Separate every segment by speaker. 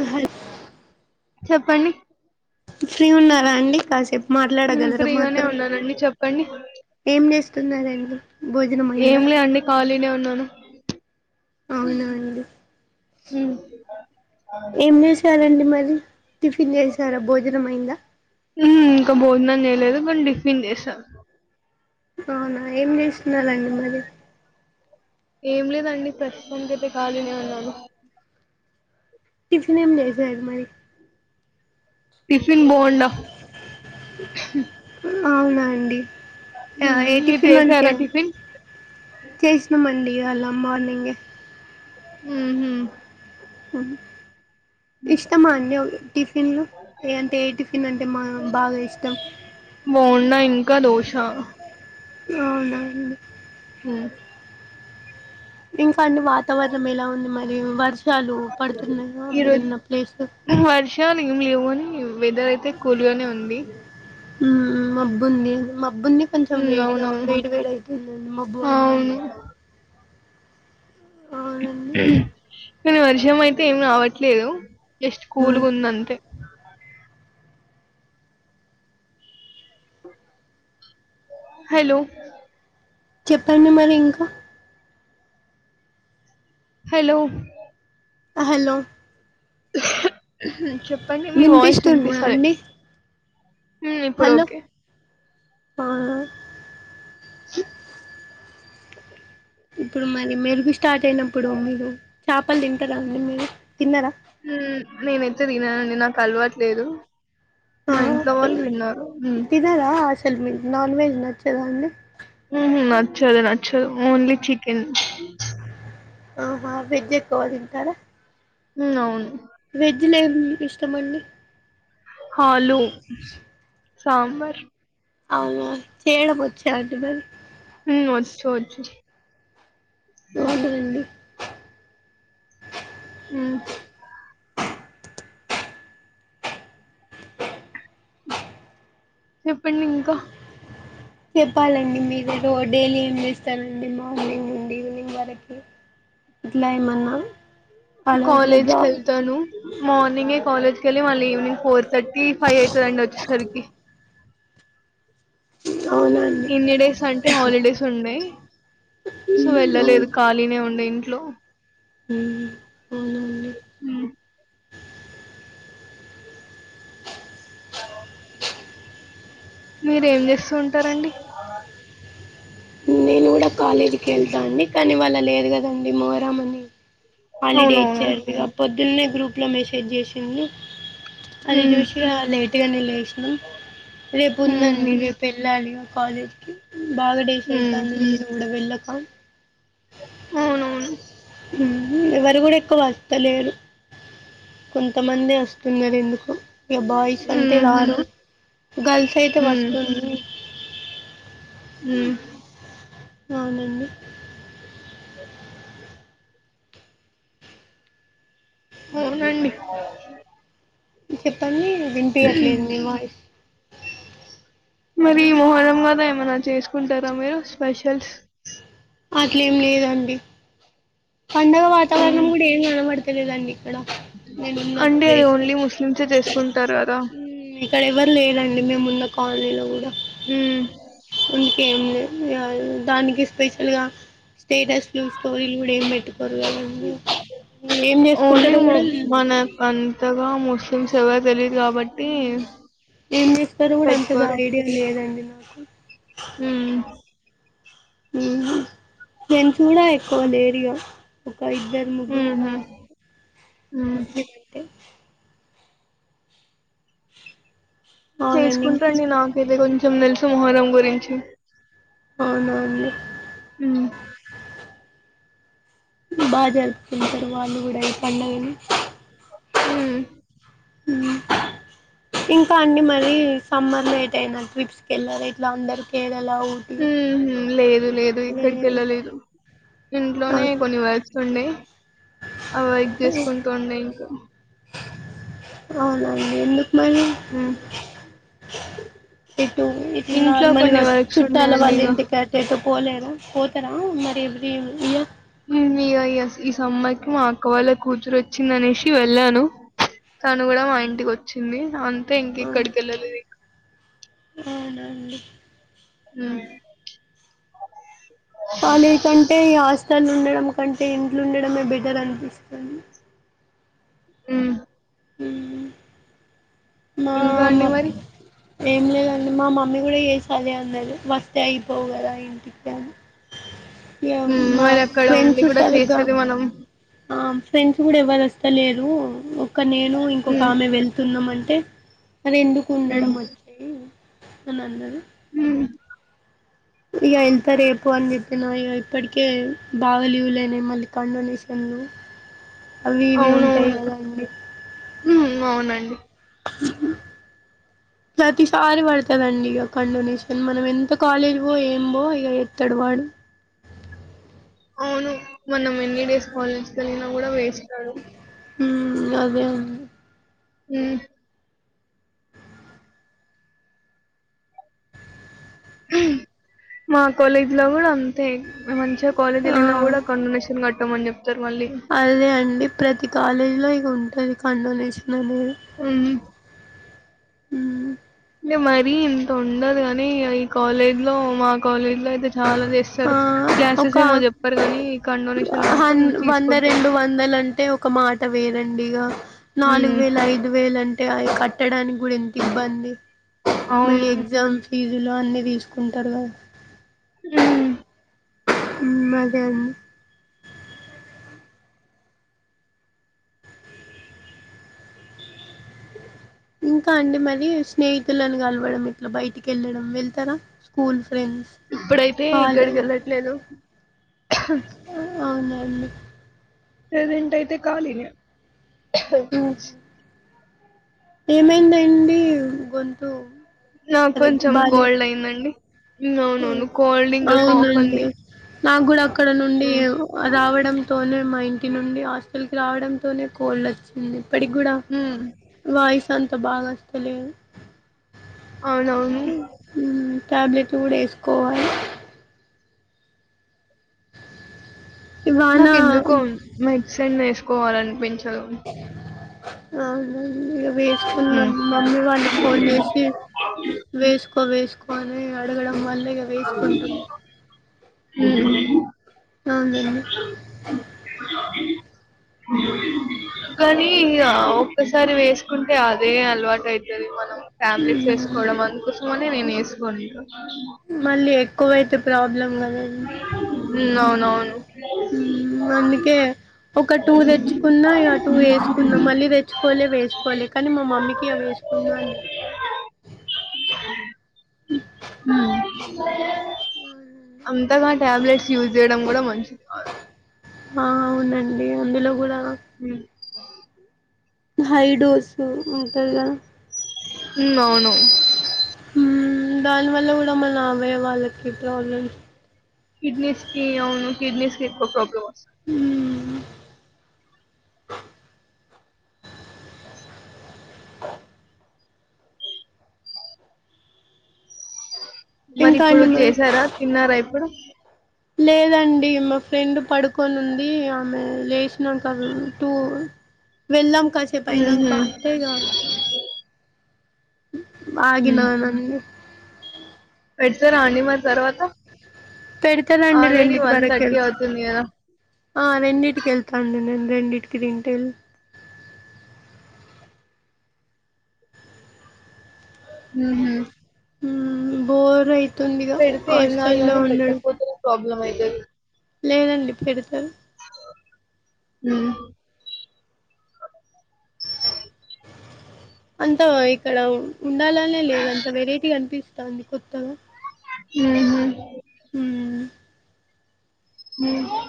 Speaker 1: అహస్
Speaker 2: చెప్పండి
Speaker 1: ఫ్రీ ఉన్నారా అండి కాసేపు
Speaker 2: ఉమ్
Speaker 1: మాట్లాడగలరు
Speaker 2: ఫ్రీగానే
Speaker 1: మాత్ర
Speaker 2: ఉన్నానండి చెప్పండి
Speaker 1: ఏం చేస్తున్నారండి భోజనం
Speaker 2: ఏం
Speaker 1: అయిందా
Speaker 2: లే అండి ఖాళీనే ఉన్నాను
Speaker 1: అవునా అండి
Speaker 2: ఉహ్
Speaker 1: ఏం చేసారండి మరి టిఫిన్ చేసారా భోజనం అందా
Speaker 2: ఇంకా భోజనం చేయలేదు కొనీ టిఫిన్ చేసా
Speaker 1: అవునా ఏం చేస్తున్నాలండి మరి
Speaker 2: ఏం లేదండి ప్రస్తుతానికి అంతే కాళీనే ఉన్నాను
Speaker 1: టిఫిన్ ఏం లేసారు మరి
Speaker 2: టిఫిన్ బుండా
Speaker 1: అవునా అండి
Speaker 2: ఉమ్
Speaker 1: ఏ
Speaker 2: మీరు
Speaker 1: టిఫిన్ అంటే
Speaker 2: చేసారా టిఫిన్
Speaker 1: చేసినామండి అళ్ళ మార్నింగ్
Speaker 2: ఉహు
Speaker 1: ఇష్టం అండి ఓకే టిఫిన్లు ఏ అంటే ఏ టిఫిన్ అంటే మన బాగా ఇష్టం
Speaker 2: బుండా ఇంకా దోష
Speaker 1: అవునుండి
Speaker 2: హు
Speaker 1: ఇంకా అన్ని వాతావరణం ఎలా ఉంది మరి వర్షాలు పడుతున్నాయా
Speaker 2: ఈరోజు
Speaker 1: మీరున్న ప్లేస్
Speaker 2: వర్షాలు ఏమి లేవుని వెదర్ అయితే కూల్ గానే ఉంది
Speaker 1: మబ్బుంది మబ్బుని కొంచెం
Speaker 2: ఉమ్
Speaker 1: వేడిగా
Speaker 2: అవునవును
Speaker 1: వేడి వేడి అయితుందండి మబ్బు పడడం
Speaker 2: అవును
Speaker 1: అవును
Speaker 2: కాని వర్షం అయితే ఏం రావట్లేదు జస్ట్
Speaker 1: మ్మ్
Speaker 2: కూల్గా ఉంది అంతే హలో
Speaker 1: చెప్పండి మరి ఇంకా
Speaker 2: హలో
Speaker 1: హలో
Speaker 2: చెప్పండి మీ వాయిస్
Speaker 1: వినిపిస్తుందా
Speaker 2: వినిపిస్తాలే.
Speaker 1: అండి హలో ఆ
Speaker 2: [inaudible]
Speaker 1: ఇప్పుడు మరి మీరుగు స్టార్ట్ అయినప్పుడు మీరు చేపలు తింటారా అండి మీరు తిన్నరా.
Speaker 2: నేనైతే తిననండి నాకు అలవాట్లేదు. మా ఇంట్లో వాళ్ళు విన్నర్ ఉమ్
Speaker 1: లేదా అసలు మీకు నాన్ వెజ్ నచ్చదా అండి
Speaker 2: ఉహు నచ్చదు నచ్చదు ఓన్లీ చికెన్
Speaker 1: అహా వెజ్ ఎక్కవ తింటారా
Speaker 2: ఉమ్ అవును
Speaker 1: వెజ్ లో ఏమ్ ఇష్టమండి
Speaker 2: ఆలు సాంబార్
Speaker 1: అవున చేయడం వచ్చా అండి మరి
Speaker 2: ఉమ్ వచ్చు వచ్చు
Speaker 1: అవునాండి
Speaker 2: ఉ చెప్పండి ఇంకా
Speaker 1: చెప్పాలండి మీరు రో డైలీ ఏం చేస్తారండి మార్నింగ్ నుండి ఈవినింగ్ వరకి ఇట్ల ఏమన్న
Speaker 2: కాలేజ్కెళ్తాను మార్నింగే కాలేజ్ కి వెళ్ళి మళ్ళ ఈవినింగ్ ఫోర్ థర్టీ ఫైవ్ అయితదండి వచ్చేసరికి
Speaker 1: అవునా అండ్
Speaker 2: ఇన్ని డేస్ అంటే హాలిడేస్ ఉండే సో
Speaker 1: మ్మ్,
Speaker 2: వెళ్ళలేదు ఖాళీనే ఉండే ఇంట్లో
Speaker 1: ఉమ్ అవునాండి
Speaker 2: అవ్ మీరేం చేస్తూ ఉంటారండి
Speaker 1: నేను కూడా కాలేజీకి వెళ్తా అండి కానీ ఇవాళ లేదు కదండి మోహారం అని హాలిడే
Speaker 2: అవునవును.
Speaker 1: ఇచ్చారు‍ కదా పొద్దున్నే గ్రూప్ లో మెసేజ్ చేసిండ్లు అది
Speaker 2: హ్మ్.
Speaker 1: చూసి ఇగ లేైట్గా నే లేసినమ్ రేపు
Speaker 2: హుహు.
Speaker 1: ఉందండి రేపు వె ళ్లాలి ఇగ కాలేజ్ కి బాగా డేస్
Speaker 2: హ్మ్.
Speaker 1: అయితాంది నేను కూడా వెళ్ళక
Speaker 2: అవునవును
Speaker 1: ఉహు ఎవరు కూడా ఎక్కువ వస్తలేరు కొంతమందే వస్తున్నారు ఎందుకో ఇక బాయ్స్ అంటే
Speaker 2: హుహు.
Speaker 1: రారు గర్ల్స్ అయితే
Speaker 2: హ్మ్.
Speaker 1: వస్తుండ్
Speaker 2: హ్మ్.
Speaker 1: అవునండి
Speaker 2: అవునాండి
Speaker 1: చెప్పండి వినిపియట్లేదు మీ వాయిస్
Speaker 2: మరి ఈ మొహరం కదా ఏమైనా చేసుకుంటారా మీరు స్పెషల్స్
Speaker 1: అట్లేం లేదండి పండగ
Speaker 2: హ్మ్.
Speaker 1: వాతావరణం కూడా ఎం కన పడుత లేదండి ఇక్కడ నేనున్న
Speaker 2: అండి అది
Speaker 1: ప్లేస్ లో
Speaker 2: ఓన్లీ ముస్లిమ్సే చేసుకుంటారు కదా
Speaker 1: ఇక్కడ ఎవరు లేరండి మేమున్న కాలనీలో కూడా
Speaker 2: మ్మ్
Speaker 1: ఇంకేం లేదు ఇగ దానికే స్పెషల్ గా స్టేటస్లు స్టోరీలు ఇప్పుడు ఏం పెట్టుకోరు కదండీ ఏం చేసుకుంటరో కూడా
Speaker 2: అంతగా ముస్లింస్ ఎవరు తెలి
Speaker 1: ఏం చెస్తరో కూడా అంతగా ఐడియా లేదండి నాకు
Speaker 2: మ్మ్
Speaker 1: మ్మ్ నేను చూడా ఎక్కువ డేర్ గా ఒక ఇద్దరు ముగ్గురు
Speaker 2: హుహు.
Speaker 1: ఉన్నారండ్
Speaker 2: హ్మ్.
Speaker 1: ముస్లిం అంటే. అవునండి
Speaker 2: చేసుకుంటరండి నాకైతే కొంచెం తెలుసు మొహరం గురించి
Speaker 1: అవునావును లే
Speaker 2: ఉ
Speaker 1: బాగా జరుపుకుంటారు వాళ్ళు కూడా ఈ పండుగని
Speaker 2: హ
Speaker 1: ఇంకా అన్నీ మరి సమ్మర్లో ఎట్ అయినా ట్రిప్స్కి కేళ్లరా ఇట్లా అందరు కేరళ ఊటీ
Speaker 2: లేదు లేదు ఎక్కడికి వెళ్ళలేదు ఇంట్లోనే
Speaker 1: అవును.
Speaker 2: కొన్ని వర్ ర్క్సు అ వర్క్ చేసుకుంటూ ఉండి ఇంకా.
Speaker 1: అవునా అండి ఎందుకు మరి
Speaker 2: ఉ
Speaker 1: ఇటు ఈ
Speaker 2: ఇంట్లో
Speaker 1: నార్మల్ గా
Speaker 2: కొన్ని వర్క్స్
Speaker 1: చుట్టాల
Speaker 2: ఉన్నాయండి
Speaker 1: వాళ్ళు
Speaker 2: ఇగ.
Speaker 1: ఇంటిక ఎటు పోలేద పోతారా మరి ఎవ్రీ ఇయర్
Speaker 2: ఇగా ఈ ఇయర్ ఈ సమ్మర్ కి మా అక్క వాళ్ళ కూతురు వచ్చిందనేసి వెళ్ళాను తను కూడా మా ఇంటికి వచ్చింది అంతే ఇంక ఎక్కడికి వెళ్ళలేదు
Speaker 1: అవునా అండి
Speaker 2: ఉం
Speaker 1: కాలేజ్ కంటే ఈ హాస్టల్ ఉండడం కంటే ఇంట్లో ఉండడమే బెటర్ అనిపిస్తుంది.
Speaker 2: ఆ
Speaker 1: హ మా
Speaker 2: ఇంకా
Speaker 1: అమ్మ
Speaker 2: అండి మరి?
Speaker 1: ఏం లేదండి మా మమ్మీ కూడా చేసి అదే అన్నది వస్తే అయిపోవు కదా ఇంటికి అని
Speaker 2: హ్మ్.
Speaker 1: మా
Speaker 2: మరక్కడ ఉండి
Speaker 1: ఫ్రెండ్స్
Speaker 2: కూడా
Speaker 1: సరిగ్గా
Speaker 2: చేసేది మనం
Speaker 1: ఆ ఫ్రెండ్స్ కూడా ఎవ్వరు వస్తలేరు ఒక్క నేను ఇంకొక
Speaker 2: హ్మ్.
Speaker 1: ఆమె వెళ్తున్నాం అంటే. మరి ఎందుకు ఉండడం
Speaker 2: హ్మ్.
Speaker 1: వచ్చెయ్ అని అన్నది
Speaker 2: హ
Speaker 1: ఇక వెళ్తారు రేపు అని చెప్పిన ఇక ఇప్పటికే బాగా లీవ్ లైనయి మళ్ళీ కాండొనేషన్లు. అవి ఇవి ఉంటాయి కదండి
Speaker 2: ఉమ్ అవునండి
Speaker 1: చెప్పు ప్రతిసారి పడుతందిండి ఇక కండోనీషన్ మనం ఎంత కాలేజ్ పో ఏం బో ఇక ఎస్తాడు వాడు
Speaker 2: అవును మనం ఎన్ని డేస్ కాలేజ్ వెళ్ళినా కూడా వేస్తాడు
Speaker 1: ఉమ్ అదే
Speaker 2: ఉం మా కాలేజీ లో కూడా అంతే మంచిగా కాలేజ్
Speaker 1: ఆ
Speaker 2: వెళ్ళినా కూడా కన్డొనేషన్ కట్టమని చెప్తారు మళ్ళీ
Speaker 1: అదే అండి ప్రతి కాలేజీలో ఇక ఉంటది కన్ డొనేషన్ అనేది.
Speaker 2: ఉమ్
Speaker 1: మ్మ్
Speaker 2: అంటే మరీ ఇంత ఉండదు కానీ ఈ కాలేజ్ లో మా కాలేజ్ లో అయితే చాలా
Speaker 1: ఆ
Speaker 2: చేస్తారు
Speaker 1: ఒక
Speaker 2: క్లాసెస్ ఏమో చెప్పారు కానీ కన్ డొనేషన్ మాత్రం
Speaker 1: హన్ వంద
Speaker 2: తీసుకుంటారు
Speaker 1: రెండు వందలు అంటే ఒక మాట వేరండి ఇగా నాలుగు
Speaker 2: ఉమ్,
Speaker 1: వేల ఐదు వేలు అంటే అవి కట్టడానికి కూడా ఎంత ఇబ్బంది మళ్ళీ
Speaker 2: అవును
Speaker 1: ఎగ్జామ్ ఫీజులు అన్నీ తీసుకుంటారు కదా
Speaker 2: ఉమ్
Speaker 1: ఉమ్ అదే అండి ఇంకా అండి మరి స్నేహితులను కలవడం, ఇట్ల బయటికి వెళ్ళడం, వెళ్తరా స్కూల్ ఫ్రెండ్?
Speaker 2: ఇప్పుడైతే ఇక్కడికి వెళ్ళట్లేదు
Speaker 1: అవునండి
Speaker 2: ప్రసెంట్ అయితే కాలినే
Speaker 1: మ్ ఏమైందండి గొంతు
Speaker 2: నాకు
Speaker 1: సరే
Speaker 2: కొంచెం
Speaker 1: బాలే
Speaker 2: కోల్డ్ అయిందండి అవునవును కోల్డ్ ఇంకా కాఫ్ అండి
Speaker 1: నా క్ కూడా అక్కడ నుండి రావడంతోనే మా ఇంటి నుండి హాస్టల్ కి రావడంతోనే కోల్డ్ వచ్చింది ఇప్పటికి కూడా
Speaker 2: ఉమ్.
Speaker 1: వాయిస్ అంతా బాగా వస్తలేదు
Speaker 2: అవునవును
Speaker 1: హ్మ్మ్ ట్యాబ్లెట్లు కూడ వేసుకోవాలి వాన
Speaker 2: నాకెందుకో మెడిసిన్ వేసుకోవలనిపించదు.
Speaker 1: అవునండి వేసుకున్నం
Speaker 2: హ్మ్.
Speaker 1: మమ్మీ వాల్లు ఫోన్ చేసి వేసుకో వేసుక్
Speaker 2: ఉ ఉ
Speaker 1: అవునండి
Speaker 2: అ [unintelligible] కానీ ఇగ ఒక్కసారి వేసుకుంటే అదే అలవాటు అవుతది మనం ఫ్యామిలీ చేసుకోవడం అకోసమని నేను వేసుకోను
Speaker 1: మళ్ళీ ఎక్కువైతే ప్రాబ్లం కదన్
Speaker 2: మ్ అవునవును
Speaker 1: హ్మ్మ్ అందుకే ఒక టూ తెచ్చుకున్న ఇగ టూ ఏసుకున్నా మళ్ళీ తె తెచ్చుకోలే వేసుకోలే కానీ మా మమ్మీకి వేసుకున్న అండి
Speaker 2: హ్మ్మ్ అంతగా టాబ్లెట్స్ యూజ్ చేయడం కూడ మంచిది కాదు.
Speaker 1: ఆ అవునండి అందులో కూడ
Speaker 2: మ్
Speaker 1: హైడోస్ ఉంటది కదా
Speaker 2: హ్మ్మ్ అవును
Speaker 1: హ్మ్మ్ దానివల్ల కూడా మన అవయవాలకి ప్రాబ్లమ్
Speaker 2: కిడ్నీ స్కి అవును కిడ్నీ స్కికు ఎక్కువ ప్రాబ్లమ్ వస్తు
Speaker 1: ఉ
Speaker 2: మరి
Speaker 1: ఇంకా
Speaker 2: ఇప్పుడు
Speaker 1: అండి మరి
Speaker 2: చేసార తిన్నార ఇప్పుడు
Speaker 1: లేదండి మా ఫ్రెండ్ పడుకొని ఉంది ఆమె లేసినాంక టూ వెళ్దాం
Speaker 2: హుహు.
Speaker 1: కాసేపైనాంకా అంటే ఇగ ఆగినా
Speaker 2: హ్మ్.
Speaker 1: రండి.
Speaker 2: పెడతారా అండి మరి తర్వాత
Speaker 1: పెడతారండి
Speaker 2: ఆల్రెడీ
Speaker 1: రెండిటి
Speaker 2: వన్
Speaker 1: వరకు
Speaker 2: థర్టీ
Speaker 1: వెళ్
Speaker 2: అవుతుంది కదా
Speaker 1: ఆ రెండింటికేళ్తాండి నేను రెండింటికి తింటేళ్
Speaker 2: హ్మ్మ్
Speaker 1: మ్ బోర్ అయితుంది ఇగ హాస్టల్ లో ఉండడం
Speaker 2: ప్రాబ్లమ్ అయితది
Speaker 1: లేదండి పెడతర్
Speaker 2: హ్మ్మ్
Speaker 1: అంత ఇక్కడ ఉండాలనే లేదు, అంత వెరైటీ అనిపిస్తంది కొత్తగ.
Speaker 2: మ్ హు
Speaker 1: హ్మ్
Speaker 2: హ్మ్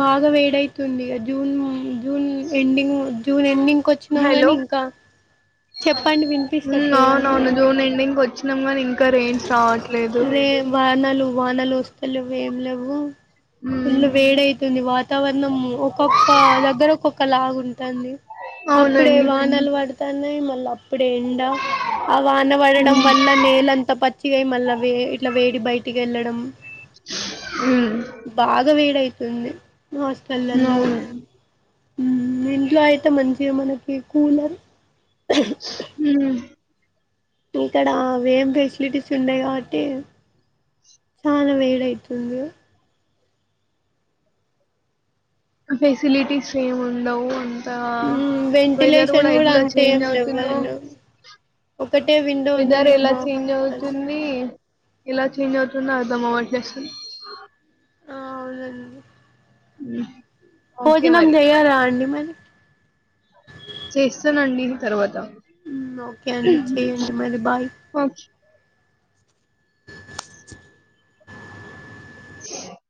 Speaker 1: బాగా వేడైతుంది June June ending June ending కి వచ్చినాం గానీ ఇంకా చెప్పండి
Speaker 2: హ్మ్
Speaker 1: వినిపించట్లేదా అండి
Speaker 2: అవునవును జూన్ ఎండింగ్కి వచ్చినాము కానీ ఇంకా రెయిన్స్ రావట్లేదు
Speaker 1: రే వానలు వానలు వస్తలేవు ఏం లేవు
Speaker 2: హ్మ్
Speaker 1: ఫుల్లు వేడైతుంది వాతావరణం ఒక్కొక్క దగ్గర ఒక్కొక్క లాగు ఉంటుంది అప్పుడే
Speaker 2: అవునండి
Speaker 1: వానాలు పడ నే మళ్ళీ అప్పుడే ఉండవు ఆ వాన పడడం వల్ల నేలం ఇ పచ్చిగాయ మళ్ళా వే ఇట్లా వేడి బయటికి వెళ్ళడం
Speaker 2: మ్మ్
Speaker 1: బాగా వేడయితుంది హాస్టల్లలో
Speaker 2: అవును
Speaker 1: ఇంట్లో అయితే మంచిగా మనకి కూలర్
Speaker 2: హ్మ్
Speaker 1: ఇక్కడ అవి ఏం ఫెసిలిటీస్ ఉన్నాయి కాబట్టి చాలా వేడి అయితుంది
Speaker 2: ఫెసిలిటీస్ ఏమి ఉండవు అని ఆ
Speaker 1: మ్మ్
Speaker 2: వెదర్
Speaker 1: వెంటిలేషన్
Speaker 2: కూడా ఎట్లా
Speaker 1: అంత
Speaker 2: చేంజ్ అవుతుందో
Speaker 1: ఒకట్టే విన్
Speaker 2: వెదర్ ఎలా చేంజ్ అవుతుంది ఎలా చేంజ్ అవుతుంది అర్థం అవట్లే అసలు
Speaker 1: ఆ అవునండి
Speaker 2: హ్మ్
Speaker 1: భోజనం చేయాలా అండి మరి
Speaker 2: చేస్తానండి నేను తర్వాత
Speaker 1: ఓకే అండి చెయ్యండి మరి బాయ్
Speaker 2: ఒకే అ